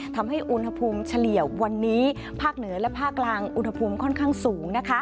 ทำให้อุณหภูมิเฉลี่ยวันนี้ภาคเหนือและภาคกลางอุณหภูมิค่อนข้างสูง